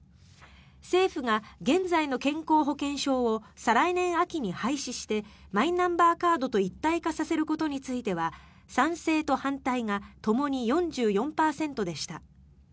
政府が現在の健康保険証を再来年秋に廃止してマイナンバーカードと一体化させることについては賛成と反対がともに４４％でした。